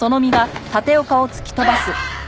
あっ！